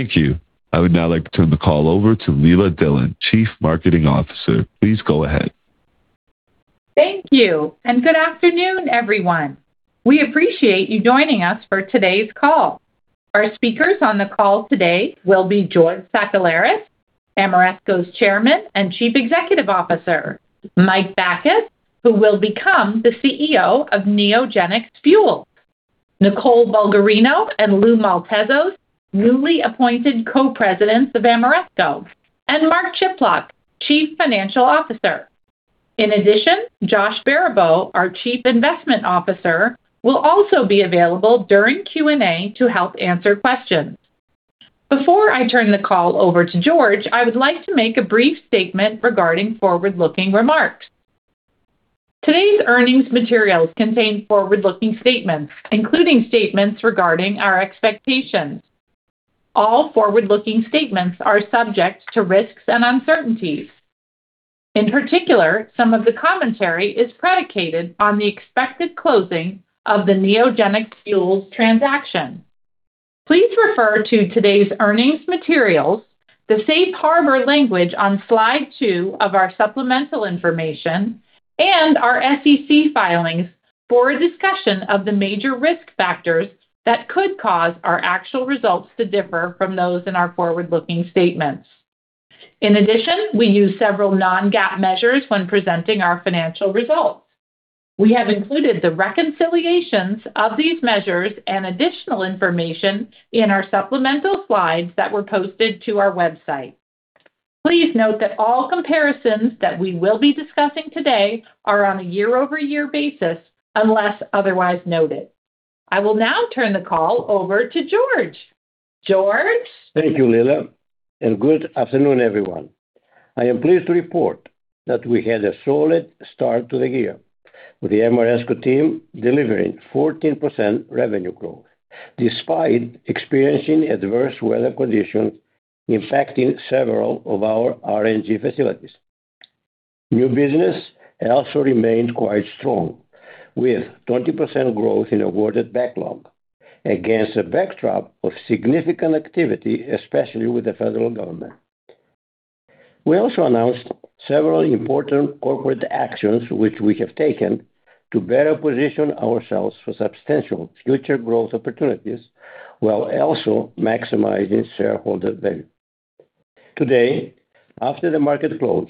Thank you. I would now like to turn the call over to Leila Dillon, Chief Marketing Officer. Please go ahead. Thank you. Good afternoon, everyone. We appreciate you joining us for today's call. Our speakers on the call today will be George Sakellaris, Ameresco's Chairman and Chief Executive Officer, Mike Bakas, who will become the CEO of Neogenyx Fuels, Nicole Bulgarino and Lou Maltezos, newly appointed Co-Presidents of Ameresco, and Mark Chiplock, Chief Financial Officer. In addition, Josh Baribeau, our Chief Investment Officer, will also be available during Q&A to help answer questions. Before I turn the call over to George, I would like to make a brief statement regarding forward-looking remarks. Today's earnings materials contain forward-looking statements, including statements regarding our expectations. All forward-looking statements are subject to risks and uncertainties. In particular, some of the commentary is predicated on the expected closing of the Neogenyx Fuels transaction. Please refer to today's earnings materials, the safe harbor language on slide two of our supplemental information, and our SEC filings for a discussion of the major risk factors that could cause our actual results to differ from those in our forward-looking statements. We use several non-GAAP measures when presenting our financial results. We have included the reconciliations of these measures and additional information in our supplemental slides that were posted to our website. Please note that all comparisons that we will be discussing today are on a a year-over-year basis, unless otherwise noted. I will now turn the call over to George. George? Thank you, Leila, and good afternoon, everyone. I am pleased to report that we had a solid start to the year, with the Ameresco team delivering 14% revenue growth, despite experiencing adverse weather conditions affecting several of our RNG facilities. New business also remained quite strong, with 20% growth in awarded backlog against a backdrop of significant activity, especially with the federal government. We also announced several important corporate actions which we have taken to better position ourselves for substantial future growth opportunities while also maximizing shareholder value. Today, after the market close,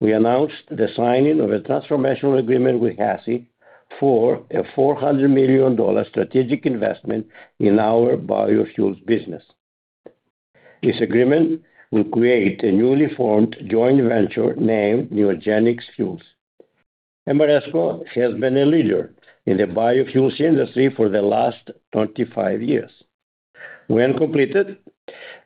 we announced the signing of a transformational agreement with HASI for a $400 million strategic investment in our biofuels business. This agreement will create a newly formed joint venture named Neogenyx Fuels. Ameresco has been a leader in the biofuels industry for the last 25 years. When completed,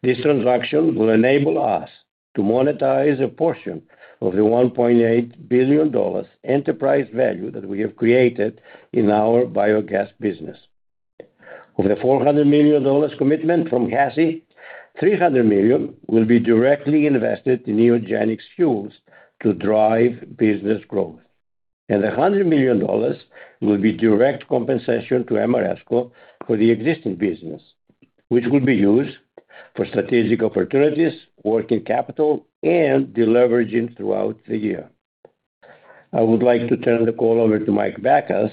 this transaction will enable us to monetize a portion of the $1.8 billion enterprise value that we have created in our biogas business. Of the $400 million commitment from HASI, $300 million will be directly invested in Neogenyx Fuels to drive business growth, and $100 million will be direct compensation to Ameresco for the existing business, which will be used for strategic opportunities, working capital, and deleveraging throughout the year. I would like to turn the call over to Mike Bakas,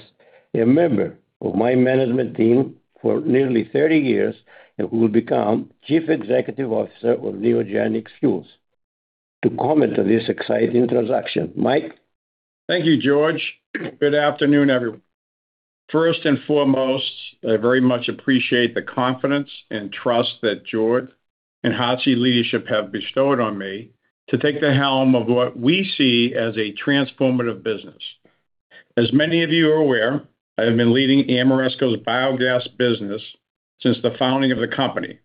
a member of my management team for nearly 30 years and who will become Chief Executive Officer of Neogenyx Fuels, to comment on this exciting transaction. Mike? Thank you, George. Good afternoon, everyone. First and foremost, I very much appreciate the confidence and trust that George and HASI leadership have bestowed on me to take the helm of what we see as a transformative business. As many of you are aware, I have been leading Ameresco's biogas business since the founding of the company,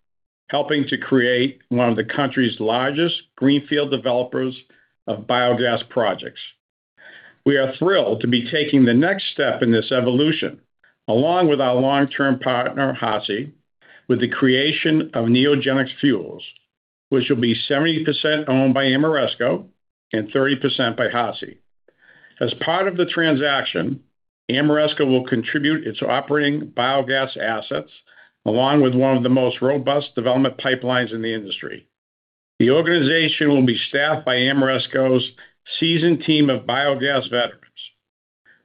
helping to create one of the country's largest greenfield developers of biogas projects. We are thrilled to be taking the next step in this evolution, along with our long-term partner, HASI, with the creation of Neogenyx Fuels, which will be 70% owned by Ameresco and 30% by HASI. As part of the transaction, Ameresco will contribute its operating biogas assets, along with one of the most robust development pipelines in the industry. The organization will be staffed by Ameresco's seasoned team of biogas veterans.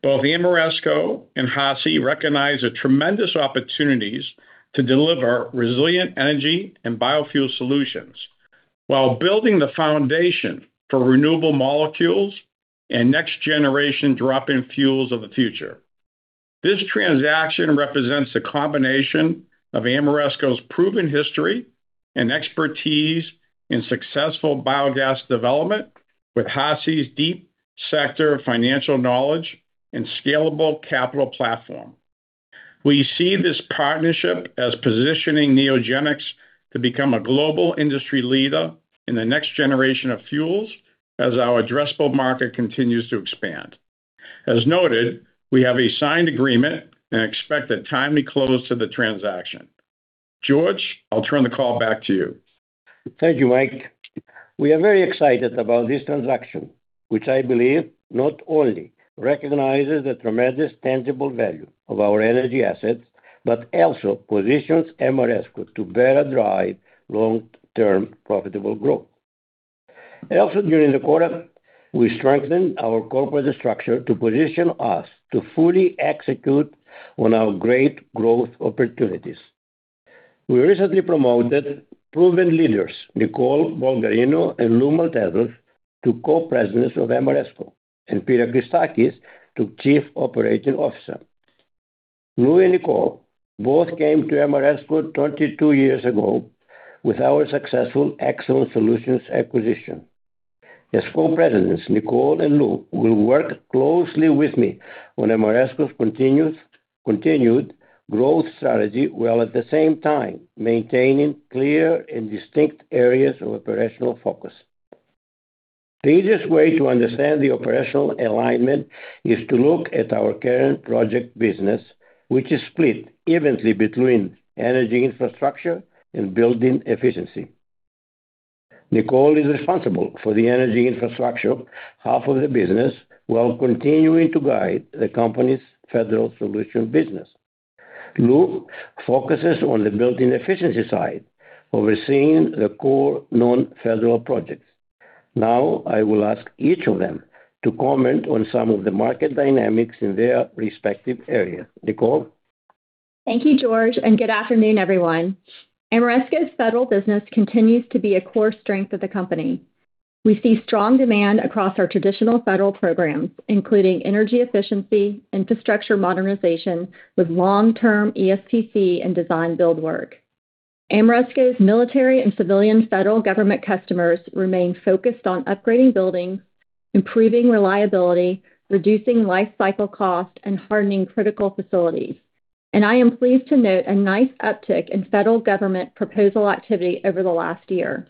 Both Ameresco and HASI recognize the tremendous opportunities to deliver resilient energy and biofuel solutions while building the foundation for renewable molecules and next-generation drop-in fuels of the future. This transaction represents a combination of Ameresco's proven history and expertise in successful biogas development with HASI's deep sector financial knowledge and scalable capital platform. We see this partnership as positioning Neogenyx to become a global industry leader in the next generation of fuels as our addressable market continues to expand. As noted, we have a signed agreement and expect a timely close to the transaction. George, I'll turn the call back to you. Thank you, Mike. We are very excited about this transaction, which I believe not only recognizes the tremendous tangible value of our energy assets, but also positions Ameresco to better drive long-term profitable growth. Also during the quarter, we strengthened our corporate structure to position us to fully execute on our great growth opportunities. We recently promoted proven leaders, Nicole Bulgarino and Lou Maltezos, to Co-Presidents of Ameresco, and Peter Christakis to Chief Operating Officer. Lou and Nicole both came to Ameresco 22 years ago with our successful Exelon Solutions acquisition. As Co-Presidents, Nicole and Lou will work closely with me on Ameresco's continued growth strategy, while at the same time maintaining clear and distinct areas of operational focus. The easiest way to understand the operational alignment is to look at our current project business, which is split evenly between energy infrastructure and building efficiency. Nicole is responsible for the energy infrastructure half of the business while continuing to guide the company's Federal Solutions Business. Lou focuses on the building efficiency side, overseeing the core non-federal projects. Now I will ask each of them to comment on some of the market dynamics in their respective areas. Nicole? Thank you, George, and good afternoon, everyone. Ameresco's federal business continues to be a core strength of the company. We see strong demand across our traditional federal programs, including energy efficiency, infrastructure modernization with long-term ESPC and design build work. Ameresco's military and civilian federal government customers remain focused on upgrading buildings, improving reliability, reducing life cycle cost, and hardening critical facilities. I am pleased to note a nice uptick in federal government proposal activity over the last year.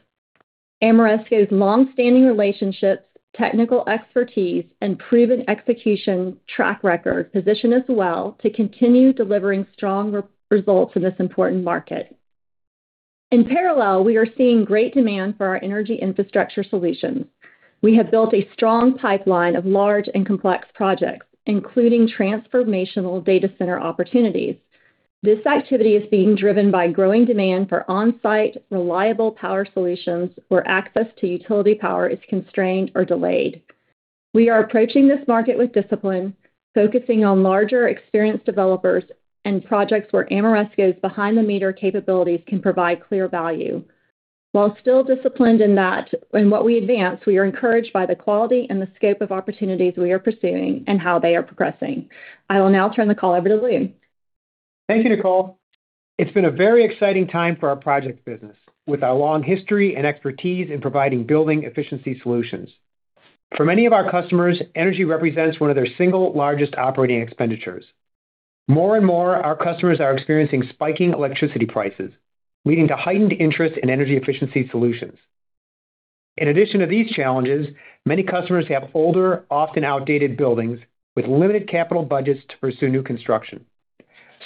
Ameresco's long-standing relationships, technical expertise, and proven execution track record position us well to continue delivering strong re-results in this important market. In parallel, we are seeing great demand for our energy infrastructure solutions. We have built a strong pipeline of large and complex projects, including transformational data center opportunities. This activity is being driven by growing demand for on-site reliable power solutions where access to utility power is constrained or delayed. We are approaching this market with discipline, focusing on larger experienced developers and projects where Ameresco's behind-the-meter capabilities can provide clear value. While still disciplined in that, in what we advance, we are encouraged by the quality and the scope of opportunities we are pursuing and how they are progressing. I will now turn the call over to Lou. Thank you, Nicole. It's been a very exciting time for our project business with our long history and expertise in providing building efficiency solutions. For many of our customers, energy represents one of their single largest operating expenditures. More and more, our customers are experiencing spiking electricity prices, leading to heightened interest in energy efficiency solutions. In addition to these challenges, many customers have older, often outdated buildings with limited capital budgets to pursue new construction.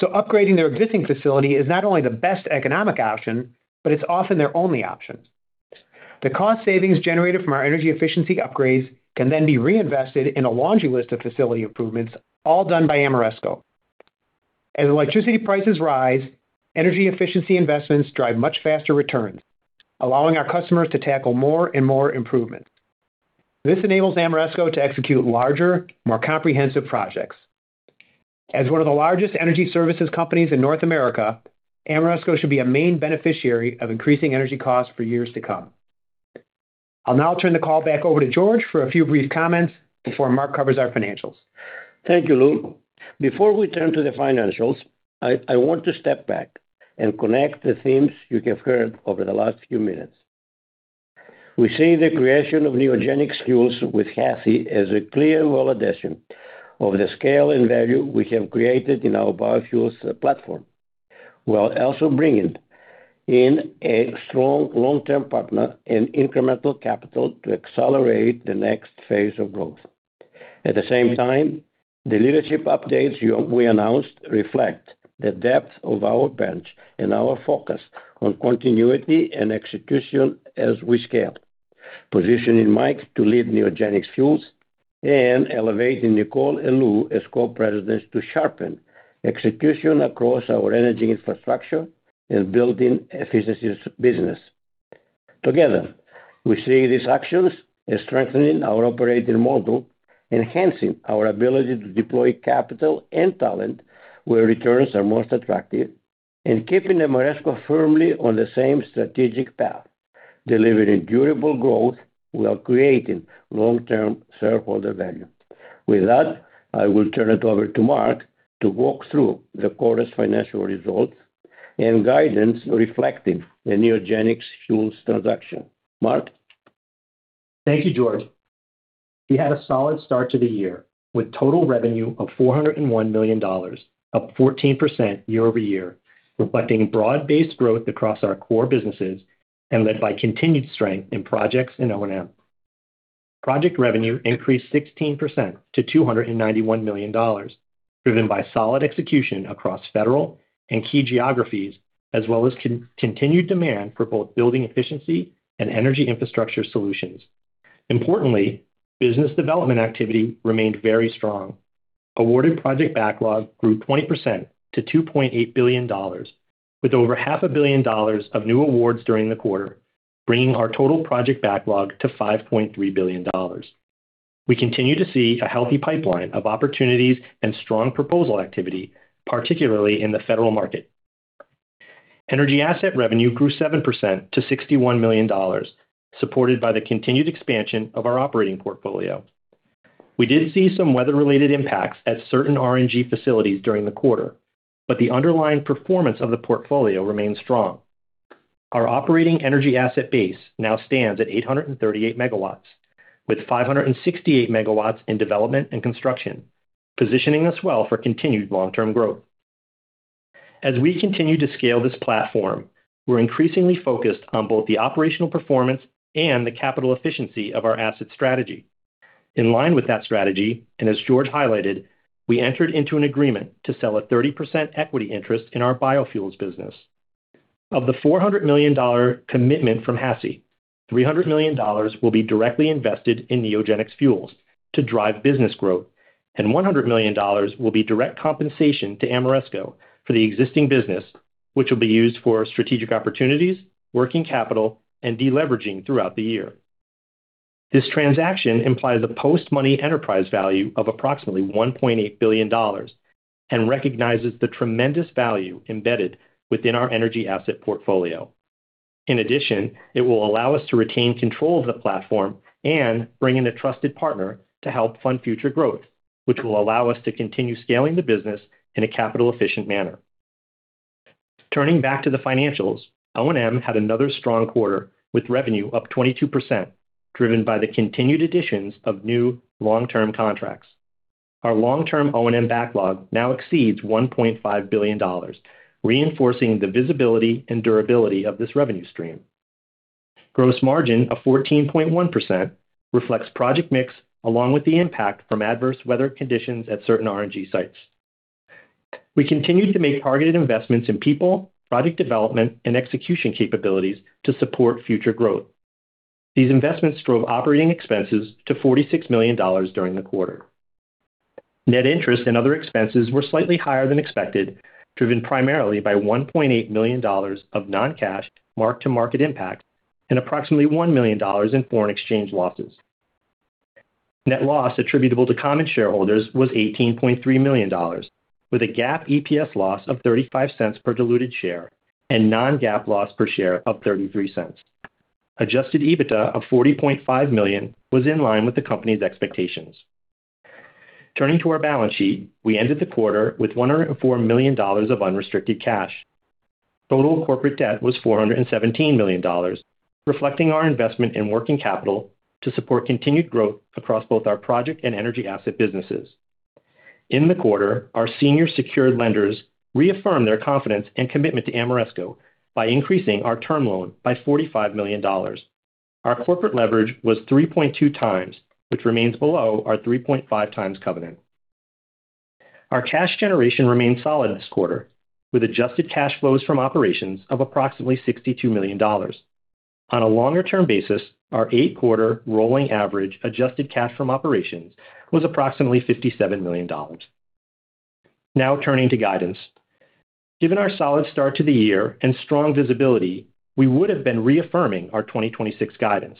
Upgrading their existing facility is not only the best economic option, but it's often their only option. The cost savings generated from our energy efficiency upgrades can then be reinvested in a laundry list of facility improvements, all done by Ameresco. As electricity prices rise, energy efficiency investments drive much faster returns, allowing our customers to tackle more and more improvement. This enables Ameresco to execute larger, more comprehensive projects. As one of the largest energy services companies in North America, Ameresco should be a main beneficiary of increasing energy costs for years to come. I'll now turn the call back over to George for a few brief comments before Mark covers our financials. Thank you, Lou. Before we turn to the financials, I want to step back and connect the themes you have heard over the last few minutes. We see the creation of Neogenyx Fuels with HASI as a clear validation of the scale and value we have created in our biofuels platform, while also bringing in a strong long-term partner in incremental capital to accelerate the next phase of growth. At the same time, the leadership updates we announced reflect the depth of our bench and our focus on continuity and execution as we scale, positioning Mike to lead Neogenyx Fuels and elevating Nicole and Lou as co-presidents to sharpen execution across our energy infrastructure and building efficiencies of business. Together, we see these actions as strengthening our operating model, enhancing our ability to deploy capital and talent where returns are most attractive, and keeping Ameresco firmly on the same strategic path, delivering durable growth while creating long-term shareholder value. With that, I will turn it over to Mark to walk through the quarter's financial results and guidance reflecting the Neogenyx Fuels transaction. Mark? Thank you, George. We had a solid start to the year with total revenue of $401 million, up 14% year-over-year, reflecting broad-based growth across our core businesses and led by continued strength in projects in O&M. Project revenue increased 16% to $291 million, driven by solid execution across Federal and key geographies, as well as continued demand for both building efficiency and energy infrastructure solutions. Importantly, business development activity remained very strong. Awarded project backlog grew 20% to $2.8 billion, with over $500 million of new awards during the quarter, bringing our total project backlog to $5.3 billion. We continue to see a healthy pipeline of opportunities and strong proposal activity, particularly in the Federal market. Energy asset revenue grew 7% to $61 million, supported by the continued expansion of our operating portfolio. We did see some weather-related impacts at certain RNG facilities during the quarter, but the underlying performance of the portfolio remains strong. Our operating energy asset base now stands at 838 MW, with 568 MW in development and construction, positioning us well for continued long-term growth. As we continue to scale this platform, we're increasingly focused on both the operational performance and the capital efficiency of our asset strategy. In line with that strategy, and as George highlighted, we entered into an agreement to sell a 30% equity interest in our biofuels business. Of the $400 million commitment from HASI, $300 million will be directly invested in Neogenyx Fuels to drive business growth, and $100 million will be direct compensation to Ameresco for the existing business, which will be used for strategic opportunities, working capital, and deleveraging throughout the year. This transaction implies a post-money enterprise value of approximately $1.8 billion and recognizes the tremendous value embedded within our energy asset portfolio. In addition, it will allow us to retain control of the platform and bring in a trusted partner to help fund future growth, which will allow us to continue scaling the business in a capital-efficient manner. Turning back to the financials, O&M had another strong quarter, with revenue up 22%, driven by the continued additions of new long-term contracts. Our long-term O&M backlog now exceeds $1.5 billion, reinforcing the visibility and durability of this revenue stream. Gross margin of 14.1% reflects project mix along with the impact from adverse weather conditions at certain RNG sites. We continued to make targeted investments in people, project development, and execution capabilities to support future growth. These investments drove operating expenses to $46 million during the quarter. Net interest and other expenses were slightly higher than expected, driven primarily by $1.8 million of non-cash mark-to-market impact and approximately $1 million in foreign exchange losses. Net loss attributable to common shareholders was $18.3 million, with a GAAP EPS loss of $0.35 per diluted share and non-GAAP loss per share of $0.33. Adjusted EBITDA of $40.5 million was in line with the company's expectations. Turning to our balance sheet, we ended the quarter with $104 million of unrestricted cash. Total corporate debt was $417 million, reflecting our investment in working capital to support continued growth across both our project and energy asset businesses. In the quarter, our senior secured lenders reaffirmed their confidence and commitment to Ameresco by increasing our term loan by $45 million. Our corporate leverage was 3.2x, which remains below our 3.5x covenant. Our cash generation remained solid this quarter, with adjusted cash flows from operations of approximately $62 million. On a longer-term basis, our $2 rolling average adjusted cash from operations was approximately $57 million. Now turning to guidance. Given our solid start to the year and strong visibility, we would have been reaffirming our 2026 guidance.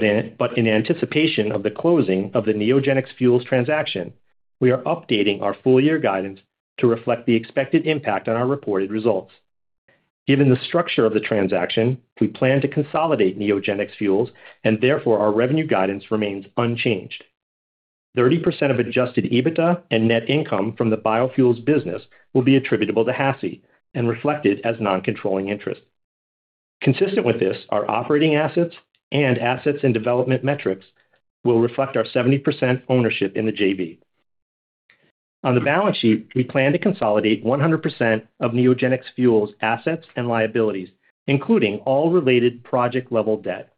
In anticipation of the closing of the Neogenyx Fuels transaction, we are updating our full year guidance to reflect the expected impact on our reported results. Given the structure of the transaction, we plan to consolidate Neogenyx Fuels and therefore our revenue guidance remains unchanged. 30% of adjusted EBITDA and net income from the biofuels business will be attributable to HASI and reflected as non-controlling interest. Consistent with this, our operating assets and assets and development metrics will reflect our 70% ownership in the JV. On the balance sheet, we plan to consolidate 100% of Neogenyx Fuels assets and liabilities, including all related project-level debt.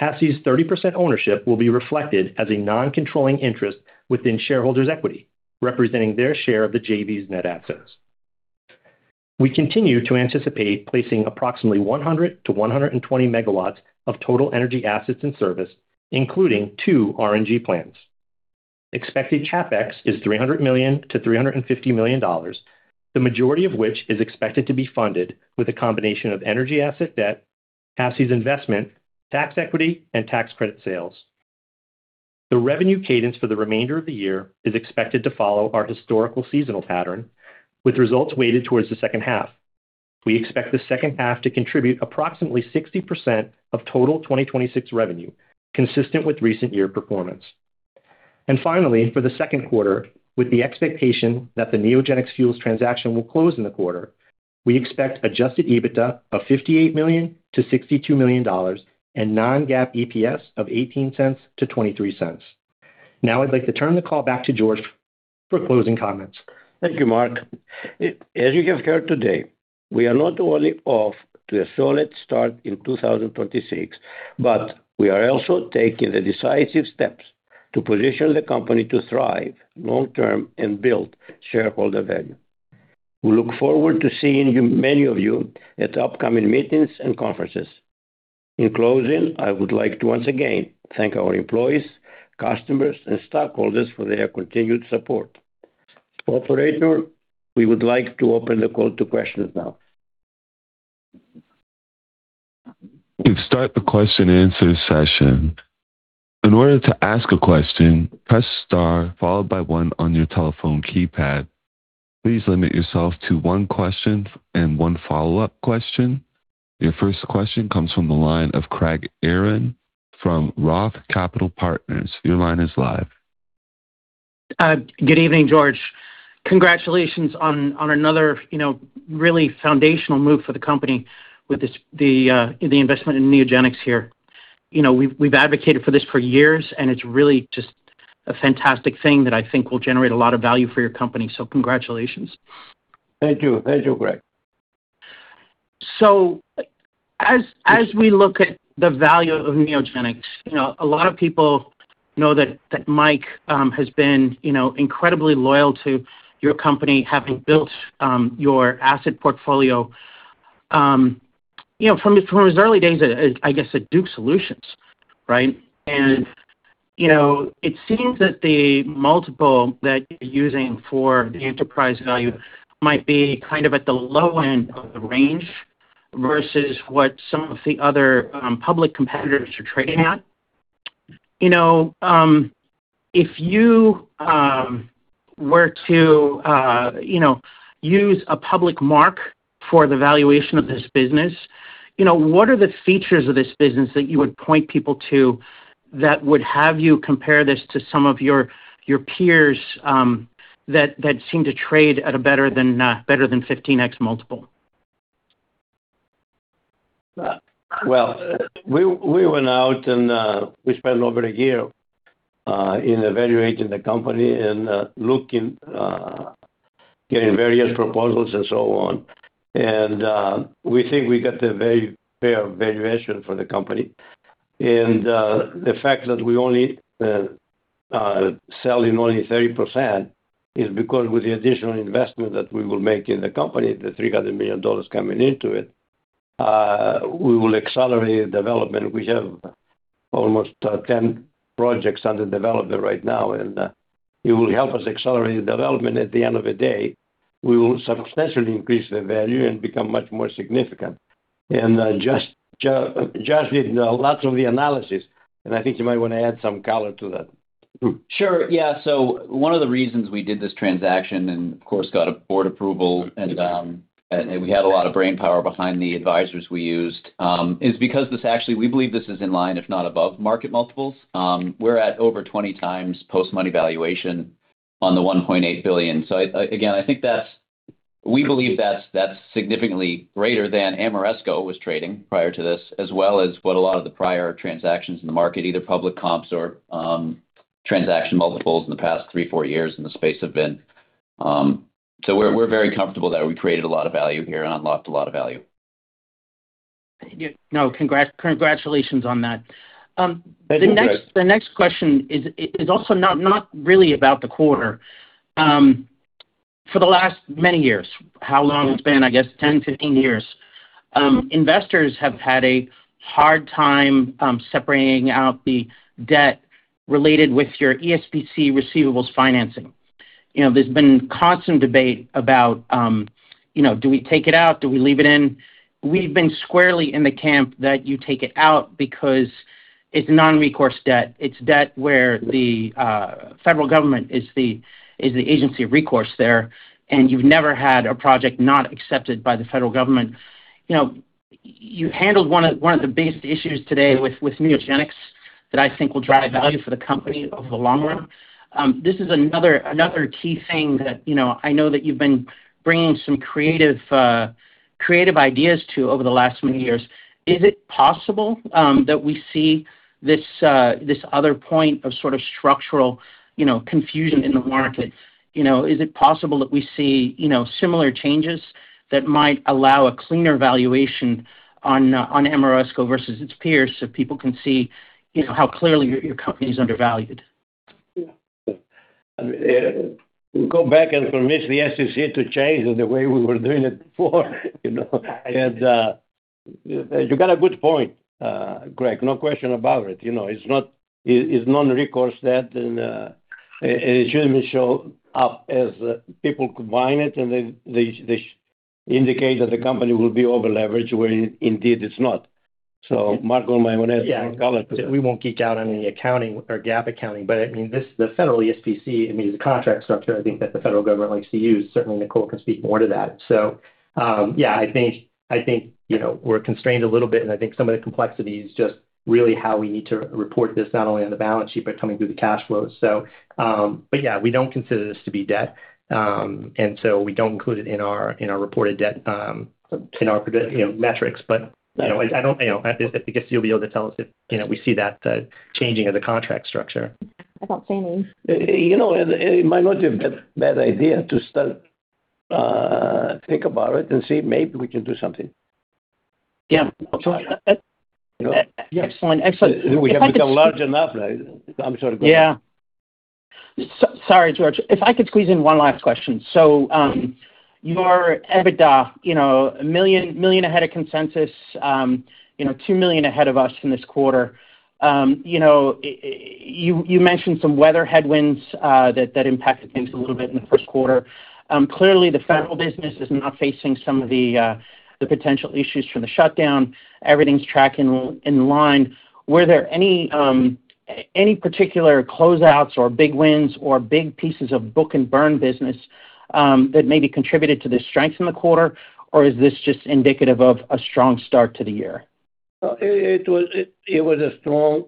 HASI's 30% ownership will be reflected as a non-controlling interest within shareholders' equity, representing their share of the JV's net assets. We continue to anticipate placing approximately 100 MW-120 MW of total energy assets in service, including two RNG plants. Expected CapEx is $300 million-$350 million, the majority of which is expected to be funded with a combination of energy asset debt, HASI's investment, tax equity, and tax credit sales. The revenue cadence for the remainder of the year is expected to follow our historical seasonal pattern, with results weighted towards the second half. We expect the second half to contribute approximately 60% of total 2026 revenue, consistent with recent year performance. Finally, for the Q2, with the expectation that the Neogenyx Fuels transaction will close in the quarter, we expect adjusted EBITDA of $58 million-$62 million and non-GAAP EPS of $0.18-$0.23. Now I'd like to turn the call back to George for closing comments. Thank you, Mark. As you have heard today, we are not only off to a solid start in 2026, but we are also taking the decisive steps to position the company to thrive long term and build shareholder value. We look forward to seeing many of you at upcoming meetings and conferences. In closing, I would like to once again thank our employees, customers, and stockholders for their continued support. Operator, we would like to open the call to questions now. We start the question and answer session. In order to ask a question, press star followed by one on your telephone keypad. Please limit yourself to one question and one follow-up question. Your first question comes from the line of Craig Irwin from Roth Capital Partners. Your line is live. Good evening, George. Congratulations on another, you know, really foundational move for the company with this, the investment in Neogenyx here. You know, we've advocated for this for years, and it's really just a fantastic thing that I think will generate a lot of value for your company. Congratulations. Thank you. Thank you, Craig. As we look at the value of Neogenyx, you know, a lot of people know that Mike has been, you know, incredibly loyal to your company, having built your asset portfolio, you know, from his early days at, I guess, at DukeSolutions, right? You know, it seems that the multiple that you're using for the enterprise value might be kind of at the low end of the range versus what some of the other public competitors are trading at. You know, if you were to, you know, use a public mark for the valuation of this business, you know, what are the features of this business that you would point people to that would have you compare this to some of your peers that seem to trade at a better than 15x multiple? Well, we went out, we spent over a year in evaluating the company and looking, getting various proposals and so on. We think we got a very fair valuation for the company. The fact that we only selling only 30% is because with the additional investment that we will make in the company, the $300 million coming into it, we will accelerate development. We have almost 10 projects under development right now. It will help us accelerate the development. At the end of the day, we will substantially increase the value and become much more significant. Josh did lots of the analysis, and I think you might wanna add some color to that. Sure. Yeah. One of the reasons we did this transaction and of course, got a board approval and we had a lot of brainpower behind the advisors we used, is because this actually we believe this is in line, if not above market multiples. We're at over 20x post money valuation on the $1.8 billion. Again, I think that's we believe that's significantly greater than Ameresco was trading prior to this, as well as what a lot of the prior transactions in the market, either public comps or transaction multiples in the past three, four years in the space have been. We're very comfortable that we created a lot of value here and unlocked a lot of value. No, congratulations on that. Thank you, Craig. The next question is also not really about the quarter. For the last many years, how long it's been, I guess 10, 15 years, investors have had a hard time separating out the debt related with your ESPC receivables financing. You know, there's been constant debate about, you know, do we take it out? Do we leave it in? We've been squarely in the camp that you take it out because it's non-recourse debt. It's debt where the federal government is the agency of recourse there, and you've never had a project not accepted by the federal government. You know, you handled one of the biggest issues today with Neogenyx that I think will drive value for the company over the long run. This is another key thing that, you know, I know that you've been bringing some creative ideas to over the last many years. Is it possible that we see this other point of sort of structural, you know, confusion in the market? You know, is it possible that we see, you know, similar changes that might allow a cleaner valuation on Ameresco versus its peers so people can see, you know, how clearly your company is undervalued? Yeah. Go back and convince the SEC to change the way we were doing it before. You know, and you got a good point, Craig. No question about it. You know, it's non-recourse debt, and it shouldn't show up as people combine it, and they indicate that the company will be over-leveraged, where indeed it's not. Mark, you might wanna add more color to that. Yeah. We won't geek out on any accounting or GAAP accounting, but I mean, this is the federal ESPC. I mean, it's a contract structure I think that the federal government likes to use. Certainly, Nicole can speak more to that. Yeah, I think, you know, we're constrained a little bit, and I think some of the complexity is just really how we need to report this not only on the balance sheet, but coming through the cash flows. Yeah, we don't consider this to be debt. So we don't include it in our, in our reported debt, in our, you know, metrics. You know, I don't, you know, I guess you'll be able to tell us if, you know, we see that changing of the contract structure. I can't see any. You know, it might not be a bad idea to start, think about it and see if maybe we can do something. Yeah. Excellent. Excellent. We have become large enough. I'm sort of- Yeah. Sorry, George. If I could squeeze in one last question. Your EBITDA, you know, $1 million ahead of consensus, you know, $2 million ahead of us in this quarter. You know, you mentioned some weather headwinds that impacted things a little bit in the Q1. Clearly the federal business is not facing some of the potential issues from the shutdown. Everything's tracking in line. Were there any particular close outs or big wins or big pieces of book and burn business that maybe contributed to the strength in the quarter? Or is this just indicative of a strong start to the year? It was a strong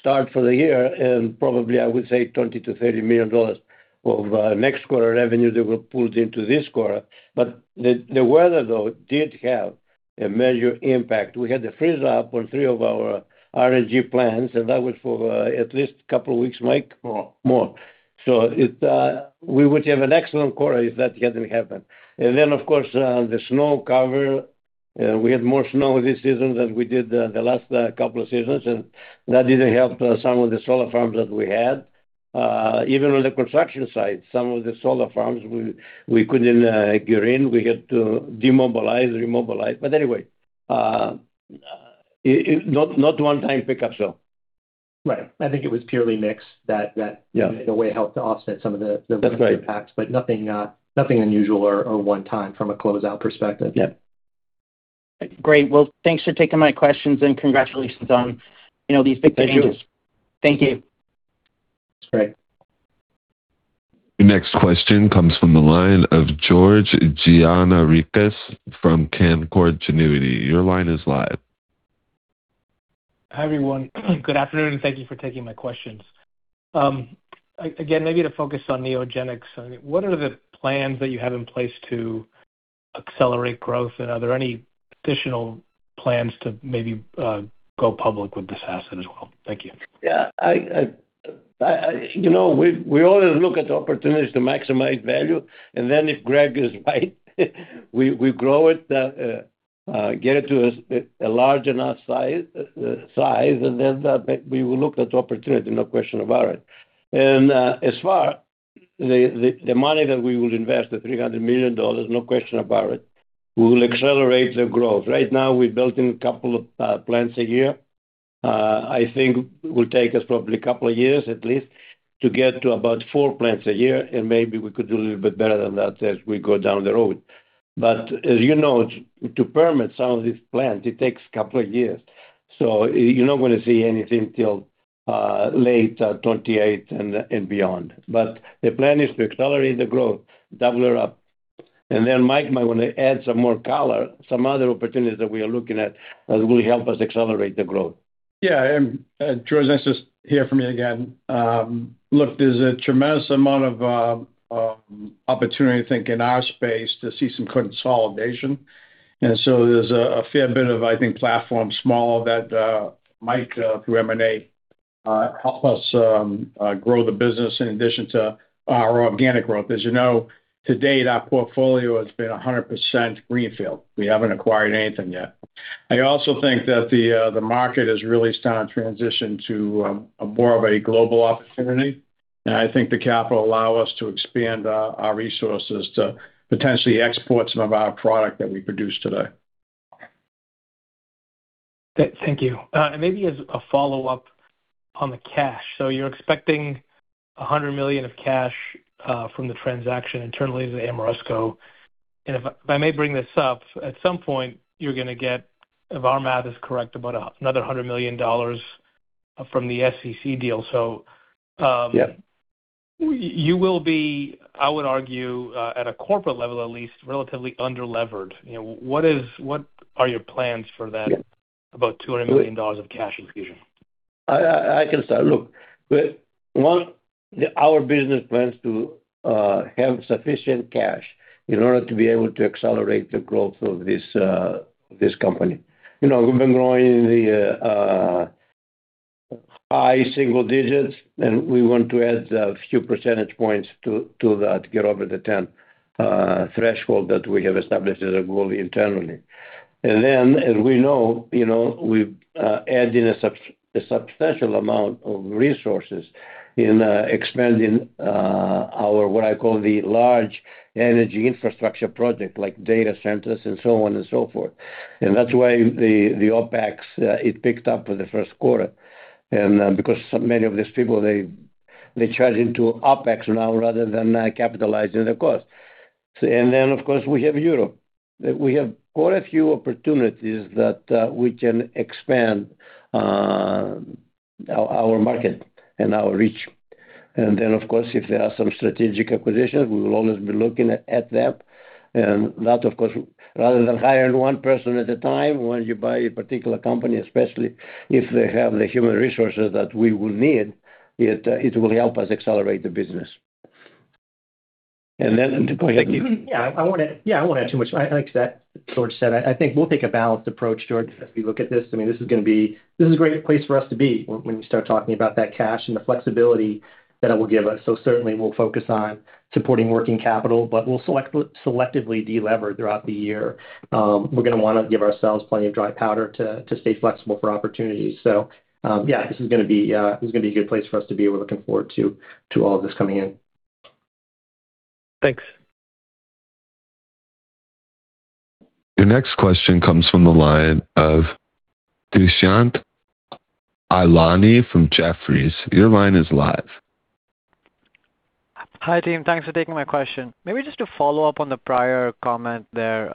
start for the year. Probably, I would say $20 million-$30 million of next quarter revenue that were pulled into this quarter. The weather, though, did have a major impact. We had a freeze up on three of our RNG plants. That was for at least a couple of weeks, Mike? More. More. We would have an excellent quarter if that hadn't happened. Of course, the snow cover. We had more snow this season than we did the last couple of seasons, and that didn't help some of the solar farms that we had. Even on the construction side, some of the solar farms we couldn't get in. We had to demobilize, remobilize. Not one time pickup. Right. I think it was purely mix. Yeah in a way helped to offset some of the winter impacts. That's right. Nothing unusual or one time from a close out perspective. Yeah. Great. Well, thanks for taking my questions, and congratulations on, you know, these big changes. Thank you. Thank you. That's great. The next question comes from the line of George Gianarikas from Canaccord Genuity. Your line is live. Hi, everyone. Good afternoon, and thank you for taking my questions. again, maybe to focus on Neogenyx, what are the plans that you have in place to accelerate growth? Are there any additional plans to maybe go public with this asset as well? Thank you. Yeah. You know, we always look at the opportunities to maximize value, and then if Craig is right, we grow it, get it to a large enough size, and then we will look at the opportunity, no question about it. As far the money that we will invest, the $300 million, no question about it, we will accelerate the growth. Right now, we're building a couple of plants a year. I think it will take us probably a couple of years at least to get to about four plants a year, and maybe we could do a little bit better than that as we go down the road. As you know, to permit some of these plants, it takes a couple of years. You're not gonna see anything till late 2028 and beyond. The plan is to accelerate the growth, double it up. Mike might want to add some more color, some other opportunities that we are looking at that will help us accelerate the growth. Yeah. George, thanks for just hear from me again. Look, there's a tremendous amount of opportunity, I think, in our space to see some consolidation. There's a fair bit of, I think, platform scale that Mike through M&A help us grow the business in addition to our organic growth. As you know, to date, our portfolio has been 100% greenfield. We haven't acquired anything yet. I also think that the market has really started to transition to a more of a global opportunity. I think the capital allow us to expand our resources to potentially export some of our product that we produce today. Thank you. Maybe as a follow-up on the cash. You're expecting $100 million of cash from the transaction internally to Ameresco. If I may bring this up, at some point, you're gonna get, if our math is correct, about another $100 million from the SEC deal. Yeah. You will be, I would argue, at a corporate level at least, relatively under-levered. You know, what are your plans for that? Yeah. About $200 million of cash infusion? I can start. Look, we want our business plans to have sufficient cash in order to be able to accelerate the growth of this company. You know, we've been growing in the high single digits, and we want to add a few percentage points to that to get over the 10 threshold that we have established as a goal internally. As we know, you know, we've added a substantial amount of resources in expanding our what I call the large energy infrastructure project, like data centers and so on and so forth. That's why the OpEx it picked up for the Q1. Because so many of these people, they charge into OpEx now rather than capitalizing the cost. Of course, we have Europe. We have quite a few opportunities that we can expand our market and our reach. Of course, if there are some strategic acquisitions, we will always be looking at them. Of course, rather than hiring one person at a time, once you buy a particular company, especially if they have the human resources that we will need, it will help us accelerate the business. Go ahead, Mark. I wouldn't add too much. Like George said, I think we'll take a balanced approach towards as we look at this. I mean, this is gonna be a great place for us to be when you start talking about that cash and the flexibility that it will give us. Certainly we'll focus on supporting working capital, but we'll selectively de-lever throughout the year. We're gonna wanna give ourselves plenty of dry powder to stay flexible for opportunities. This is gonna be a good place for us to be. We're looking forward to all of this coming in. Thanks. Your next question comes from the line of Dushyant Ailani from Jefferies. Your line is live. Hi, team. Thanks for taking my question. Maybe just to follow up on the prior comment there,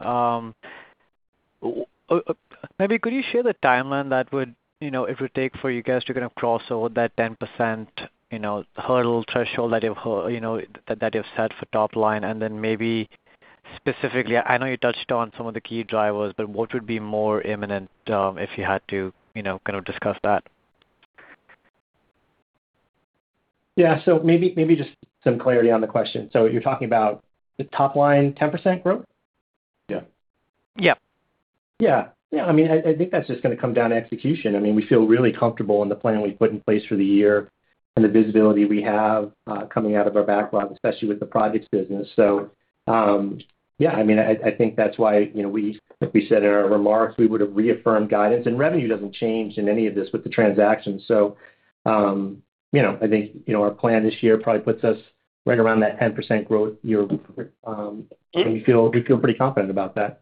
maybe could you share the timeline that would, you know, it would take for you guys to kind of cross over that 10%, you know, hurdle threshold that you've set for top line? Then maybe specifically, I know you touched on some of the key drivers, but what would be more imminent, if you had to, you know, kind of discuss that? Yeah. Maybe just some clarity on the question. You're talking about the top line 10% growth? Yeah. Yeah. Yeah. Yeah. I mean, I think that's just gonna come down to execution. I mean, we feel really comfortable in the plan we've put in place for the year and the visibility we have coming out of our backlog, especially with the projects business. Yeah, I mean, I think that's why, you know, we, like we said in our remarks, we would have reaffirmed guidance. Revenue doesn't change in any of this with the transactions. I think, you know, our plan this year probably puts us right around that 10% growth year, and we feel pretty confident about that.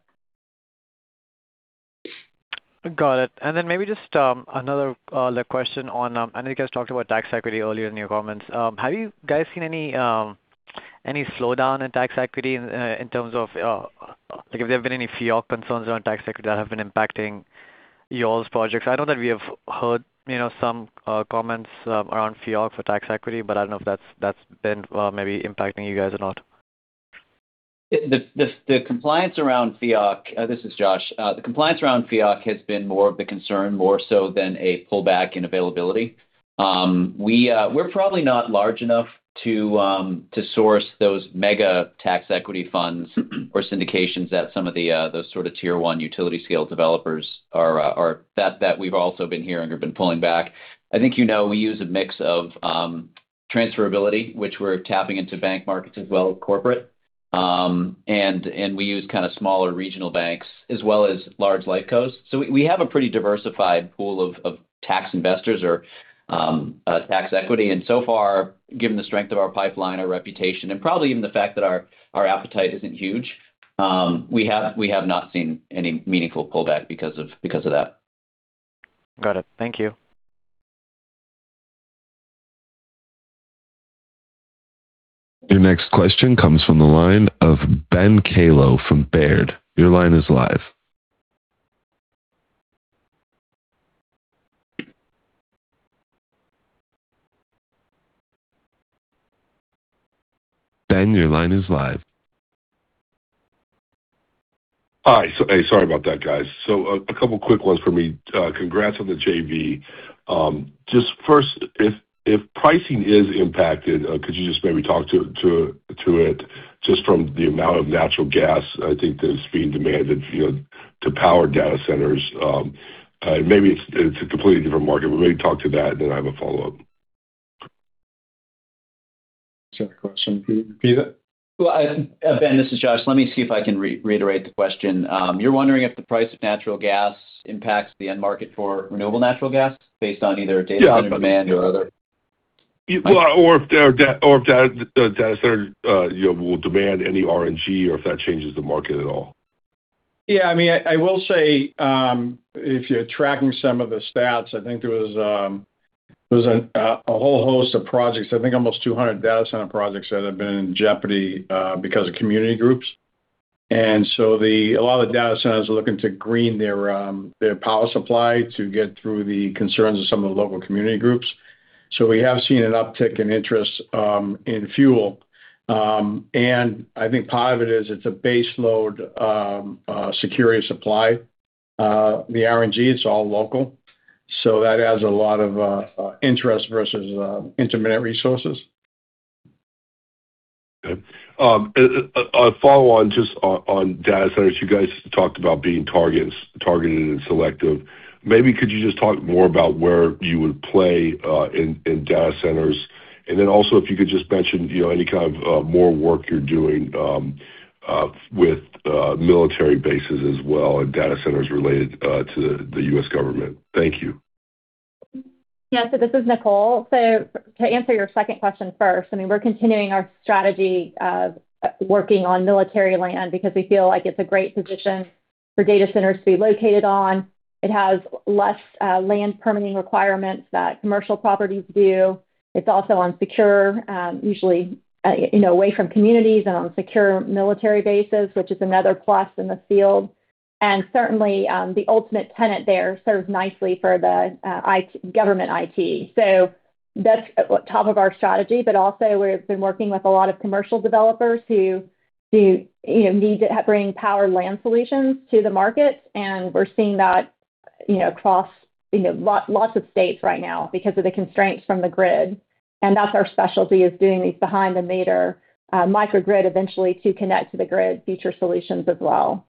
Got it. Maybe just another question on, I know you guys talked about tax equity earlier in your comments. Have you guys seen any slowdown in tax equity in terms of like if there have been any FEOC concerns around tax equity that have been impacting y'all's projects? I know that we have heard, you know, some comments around FEOC for tax equity, but I don't know if that's been maybe impacting you guys or not. This is Josh. The compliance around FEOC has been more of the concern, more so than a pullback in availability. We're probably not large enough to source those mega tax equity funds or syndications that some of the those sort of tier 1 utility scale developers are that we've also been hearing have been pulling back. I think you know we use a mix of transferability, which we're tapping into bank markets as well as corporate. And we use kind of smaller regional banks as well as large life cos. We have a pretty diversified pool of tax investors or tax equity. So far, given the strength of our pipeline, our reputation, and probably even the fact that our appetite isn't huge, we have not seen any meaningful pullback because of that. Got it. Thank you. Your next question comes from the line of Ben Kallo from Baird. Your line is live. Ben, your line is live. Hi. Hey, sorry about that, guys. A couple quick ones for me. Congrats on the JV. Just first, if pricing is impacted, could you just maybe talk to it just from the amount of natural gas I think that's being demanded, you know, to power data centers? Maybe it's a completely different market, but maybe talk to that, and then I have a follow-up. Is there a question, Ben? Repeat it. Well, Ben, this is Josh. Let me see if I can reiterate the question. You're wondering if the price of natural gas impacts the end market for renewable natural gas based on either data center demand or. Yeah. Well, or if data, the data center, you know, will demand any RNG or if that changes the market at all. I mean, I will say, if you're tracking some of the stats, I think there was a whole host of projects, I think almost 200 data center projects that have been in jeopardy because of community groups. A lot of data centers are looking to green their power supply to get through the concerns of some of the local community groups. We have seen an uptick in interest in fuel. And I think part of it is it's a base load security supply. The RNG, it's all local. That adds a lot of interest versus intermittent resources. Okay. A follow on just on data centers. You guys talked about being targeted and selective. Maybe could you just talk more about where you would play in data centers? Also, if you could just mention, you know, any kind of more work you're doing with military bases as well and data centers related to the U.S. government. Thank you. Yeah. This is Nicole. To answer your second question first, I mean, we're continuing our strategy of working on military land because we feel like it's a great position for data centers to be located on. It has less land permitting requirements that commercial properties do. It's also on secure, usually, you know, away from communities and on secure military bases, which is another plus in the field. Certainly, the ultimate tenant there serves nicely for the government IT. That's at top of our strategy. Also, we've been working with a lot of commercial developers who do, you know, need to bring power land solutions to the market, and we're seeing that. You know, across, you know, lots of states right now because of the constraints from the grid. That's our specialty is doing these behind the meter microgrid eventually to connect to the grid, future solutions as well.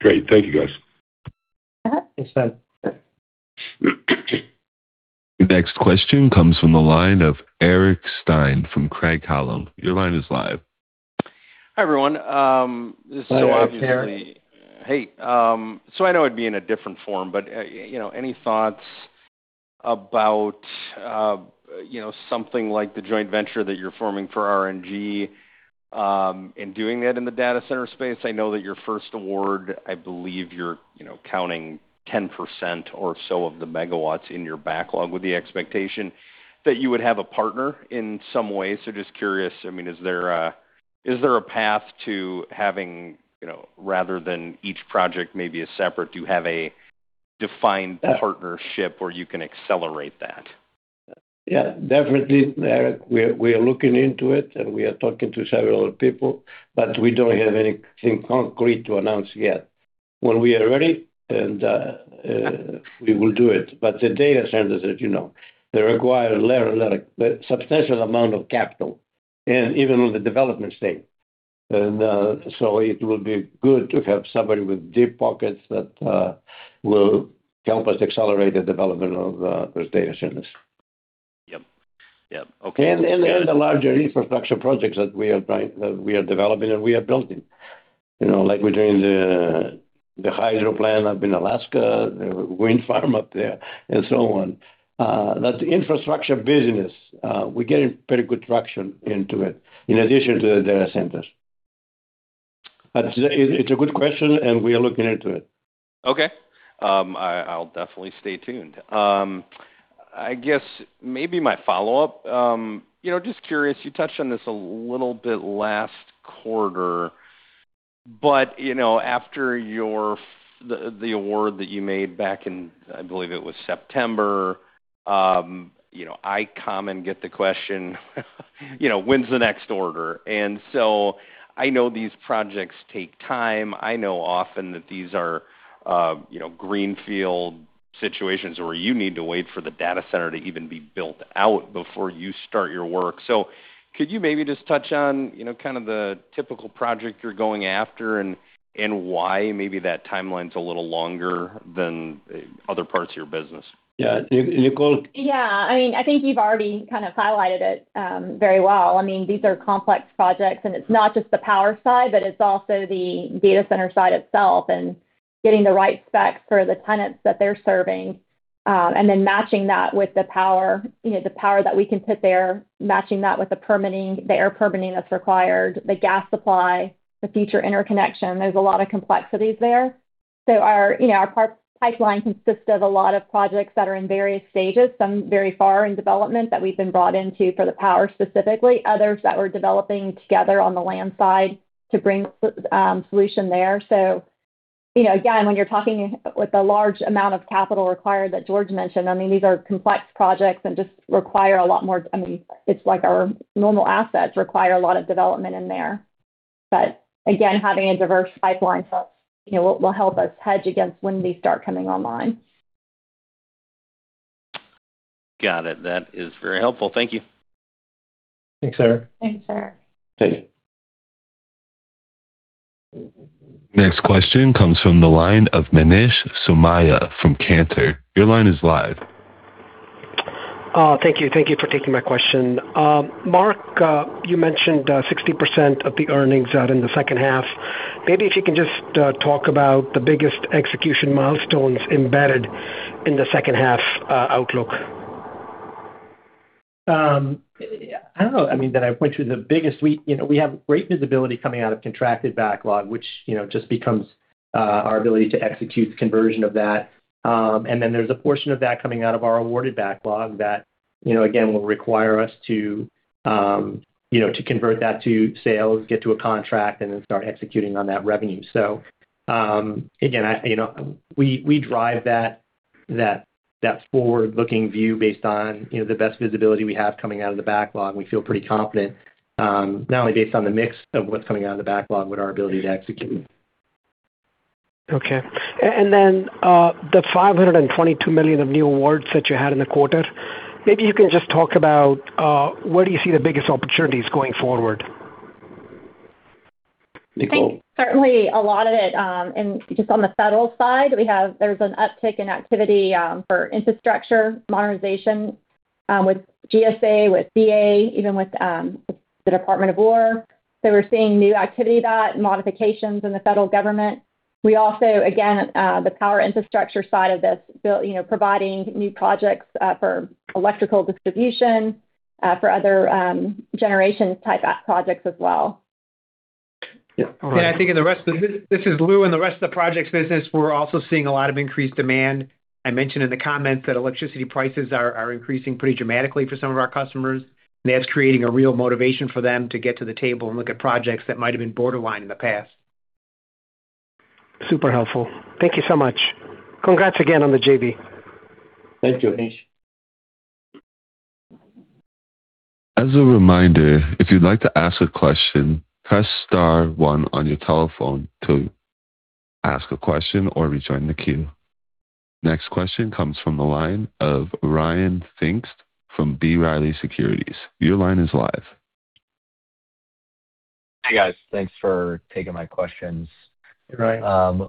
Great. Thank you, guys. Uh. Yes, sir. The next question comes from the line of Eric Stine from Craig-Hallum. Your line is live. Hi, everyone. Hello, Eric. Hey. I know it'd be in a different form, but, you know, any thoughts about, you know, something like the joint venture that you're forming for RNG, in doing that in the data center space? I know that your first award, I believe you're, you know, counting 10% or so of the megawatts in your backlog with the expectation that you would have a partner in some way. Just curious, I mean, is there a, is there a path to having, you know, rather than each project, maybe a separate? Yeah. Partnership where you can accelerate that? Yeah, definitely, Eric. We are looking into it. We are talking to several people. We don't have anything concrete to announce yet. When we are ready, we will do it. The data centers, as you know, they require a substantial amount of capital, even on the development stage. It will be good to have somebody with deep pockets that will help us accelerate the development of those data centers. Yep. Yep. Okay. The larger infrastructure projects that we are developing and we are building. You know, like we're doing the hydro plant up in Alaska, the wind farm up there, and so on. That infrastructure business, we're getting pretty good traction into it in addition to the data centers. It's a good question, and we are looking into it. Okay. I'll definitely stay tuned. I guess maybe my follow-up, you know, just curious, you touched on this a little bit last quarter, but you know, after your the award that you made back in, I believe it was September, you know, I come and get the question, you know, "When's the next order?" I know these projects take time. I know often that these are, you know, greenfield situations where you need to wait for the data center to even be built out before you start your work. Could you maybe just touch on, you know, kind of the typical project you're going after and why maybe that timeline's a little longer than other parts of your business? Yeah. Nicole? Yeah. I mean, I think you've already kind of highlighted it, very well. I mean, these are complex projects, and it's not just the power side, but it's also the data center side itself and getting the right specs for the tenants that they're serving, and then matching that with the power, you know, the power that we can put there, matching that with the permitting, the air permitting that's required, the gas supply, the future interconnection. There's a lot of complexities there. Our, you know, our pipe-pipeline consists of a lot of projects that are in various stages. Some very far in development that we've been brought into for the power specifically, others that we're developing together on the land side to bring solution there. You know, again, when you're talking with the large amount of capital required that George mentioned, I mean, these are complex projects and just require a lot more. I mean, it's like our normal assets require a lot of development in there. Again, having a diverse pipeline, you know, will help us hedge against when these start coming online. Got it. That is very helpful. Thank you. Thanks, Eric. Thanks, Eric. Thank you. Next question comes from the line of Manish Somaiya from Cantor. Your line is live. Thank you. Thank you for taking my question. Mark, you mentioned 60% of the earnings out in the second half. Maybe if you can just talk about the biggest execution milestones embedded in the second half outlook. I don't know. I mean, that I point to the biggest, we, you know, we have great visibility coming out of contracted backlog, which, you know, just becomes our ability to execute conversion of that. There's a portion of that coming out of our awarded backlog that, you know, again, will require us to, you know, to convert that to sales, get to a contract, and then start executing on that revenue. Again, I, you know, we drive that forward-looking view based on, you know, the best visibility we have coming out of the backlog. We feel pretty confident, not only based on the mix of what's coming out of the backlog with our ability to execute. Okay. The $522 million of new awards that you had in the quarter, maybe you can just talk about where do you see the biggest opportunities going forward? Nicole? I think certainly a lot of it, just on the federal side, there's an uptick in activity for infrastructure modernization with GSA, with DoD, even with DoD. We're seeing new activity that modifications in the federal government. We also, again, the power infrastructure side of this build, you know, providing new projects for electrical distribution, for other generation type projects as well. Yeah. All right. Yeah, I think. This is Lou. In the rest of the projects business, we're also seeing a lot of increased demand. I mentioned in the comments that electricity prices are increasing pretty dramatically for some of our customers. That's creating a real motivation for them to get to the table and look at projects that might have been borderline in the past. Super helpful. Thank you so much. Congrats again on the JV. Thank you, Manish. As a reminder, if you'd like to ask a question, press star one on your telephone to ask a question or rejoin the queue. Next question comes from the line of Ryan Pfingst from B. Riley Securities. Your line is live. Hey, guys. Thanks for taking my questions. Hey, Ryan.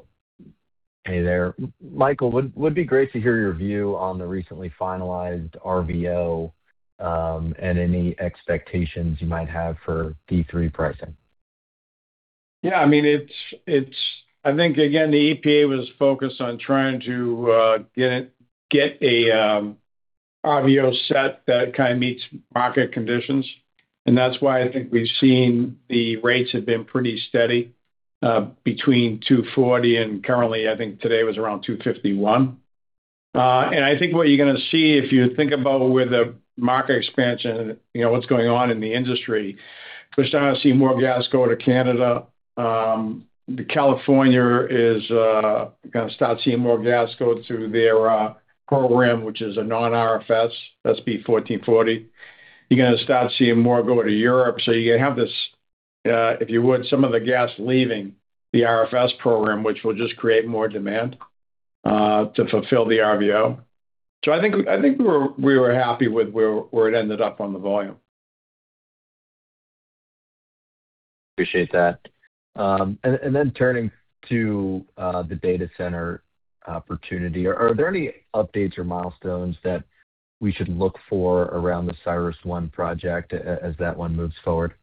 Hey there. Michael, would be great to hear your view on the recently finalized RVO, and any expectations you might have for P3 pricing. Yeah, I mean, I think, again, the EPA was focused on trying to get a RVO set that kinda meets market conditions. That's why I think we've seen the rates have been pretty steady between 240 and currently, I think today was around 251. I think what you're gonna see if you think about with the market expansion, you know, what's going on in the industry, we're starting to see more gas go to Canada. The California is gonna start seeing more gas go through their program, which is a non-RFS, SB 1440. You're gonna start seeing more go to Europe. You have this, if you would, some of the gas leaving the RFS program, which will just create more demand to fulfill the RVO. I think we were happy with where it ended up on the volume. Appreciate that. Then turning to the data center opportunity. Are there any updates or milestones that we should look for around the CyrusOne project as that one moves forward?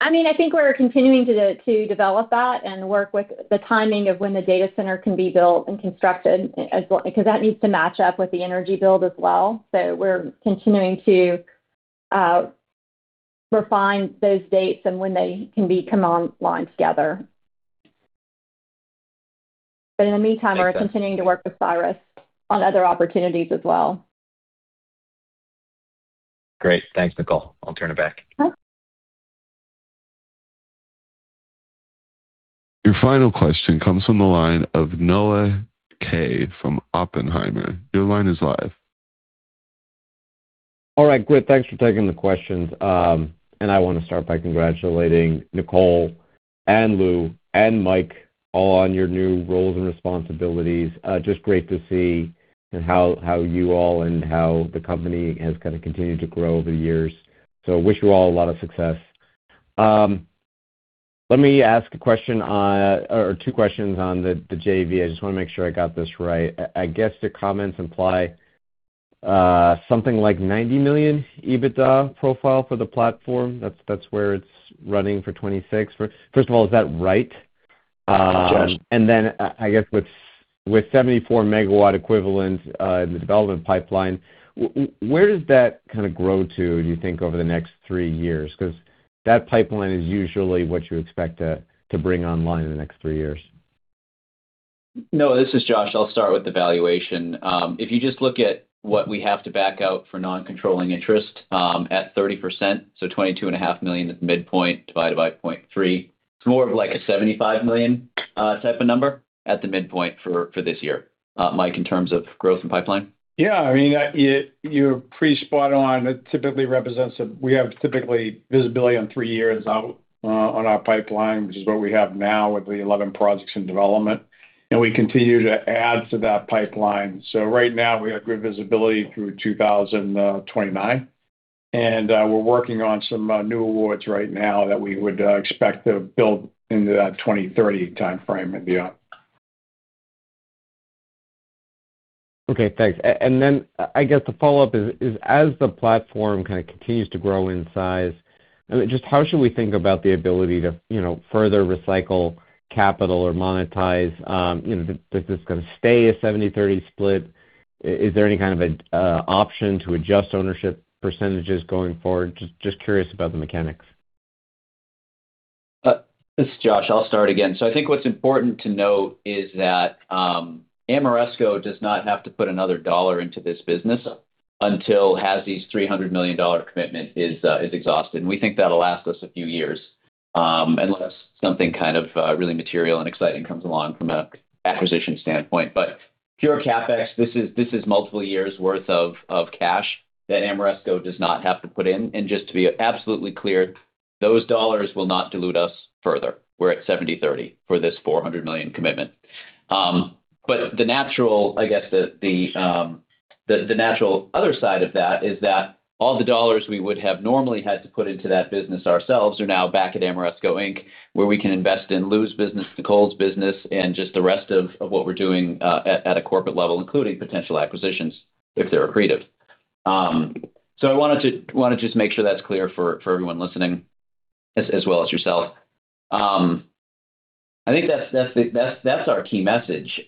I mean, I think we're continuing to develop that and work with the timing of when the data center can be built and constructed as well, because that needs to match up with the energy build as well. We're continuing to refine those dates and when they can be come online together. In the meantime. Makes sense. We're continuing to work with Cyrus on other opportunities as well. Great. Thanks, Nicole. I'll turn it back. Okay. Your final question comes from the line of Noah Kaye from Oppenheimer. Your line is live. All right. Great. Thanks for taking the questions. I wanna start by congratulating Nicole and Lou and Mike on your new roles and responsibilities. Just great to see and how you all and how the company has kinda continued to grow over the years. Wish you all a lot of success. Let me ask a question on or two questions on the JV. I just wanna make sure I got this right. I guess the comments imply something like $90 million EBITDA profile for the platform. That's where it's running for 2026. First of all, is that right? It is. I guess with 74 MW equivalent in the development pipeline, where does that kind of grow to, do you think, over the next three years? Because that pipeline is usually what you expect to bring online in the next three years. Noah, this is Josh. I'll start with the valuation. If you just look at what we have to back out for non-controlling interest, at 30%, so $22.5 million at the midpoint divided by 0.3, it's more of like a $75 million type of number at the midpoint for this year. Mike, in terms of growth and pipeline. I mean, you're pretty spot on. It typically represents we have typically visibility on three years out on our pipeline, which is what we have now with the 11 projects in development, and we continue to add to that pipeline. Right now, we have good visibility through 2029. We're working on some new awards right now that we would expect to build into that 2030 timeframe view. Okay, thanks. Then I guess the follow-up is as the platform kinda continues to grow in size, I mean, just how should we think about the ability to, you know, further recycle capital or monetize? You know, is this gonna stay a 70/30 split? Is there any kind of a option to adjust ownership percentages going forward? Just curious about the mechanics. This is Josh. I'll start again. I think what's important to note is that Ameresco does not have to put another dollar into this business until HASI's $300 million commitment is exhausted, and we think that'll last us a few years, unless something kind of really material and exciting comes along from a acquisition standpoint. Pure CapEx, this is multiple years worth of cash that Ameresco does not have to put in. Just to be absolutely clear, those dollars will not dilute us further. We're at 70/30 for this $400 million commitment. The natural other side of that is that all the dollars we would have normally had to put into that business ourselves are now back at Ameresco, Inc., where we can invest in Lou's business, Nicole's business, and just the rest of what we're doing at a corporate level, including potential acquisitions, if they're accretive. I wanted to just make sure that's clear for everyone listening as well as yourself. I think that's our key message.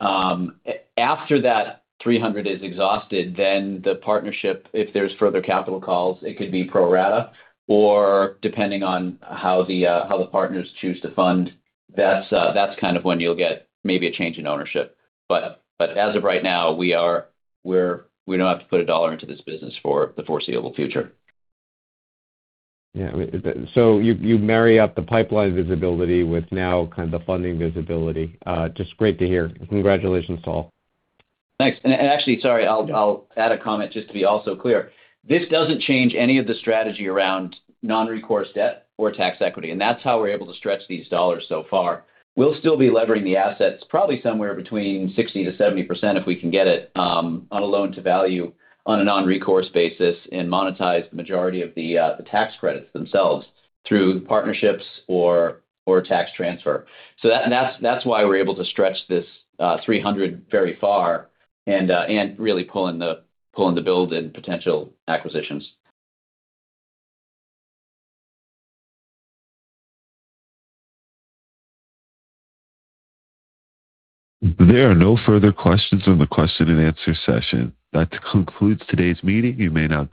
After that $300 is exhausted, then the partnership, if there's further capital calls, it could be pro rata or depending on how the partners choose to fund, that's kind of when you'll get maybe a change in ownership. As of right now, we don't have to put $1 into this business for the foreseeable future. Yeah. You marry up the pipeline visibility with now kind of the funding visibility. Just great to hear. Congratulations to all. Thanks. Actually, sorry, I'll add a comment just to be also clear. This doesn't change any of the strategy around non-recourse debt or tax equity, and that's how we're able to stretch these dollars so far. We'll still be levering the assets probably somewhere between 60%-70% if we can get it on a loan to value on a non-recourse basis and monetize the majority of the tax credits themselves through partnerships or tax transfer. That's why we're able to stretch this $300 very far and really pull in the build and potential acquisitions. There are no further questions in the question and answer session. That concludes today's meeting.